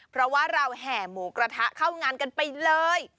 เพราะว่าเราแห่หมูกระทะเข้างานกันไปเลย